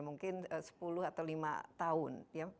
mungkin sepuluh atau lima tahun